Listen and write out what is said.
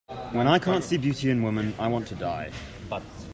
When I can't see beauty in woman I want to die.